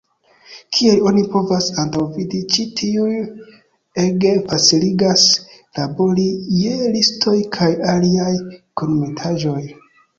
Kiel oni povas antaŭvidi, ĉi tiuj ege faciligas labori je listoj kaj aliaj kunmetaĵoj.